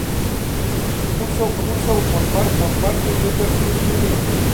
Un discurso pronunciado por Martin Luther King Jr.